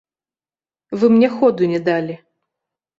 Вы мне ходу не далі.